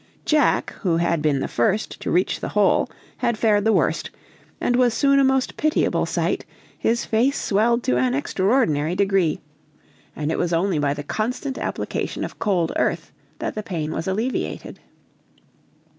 Jack, who had been the first to reach the hole, had fared the worst, and was soon a most pitiable sight, his face swelled to an extraordinary degree, and it was only by the constant application of cold earth that the pain was alleviated.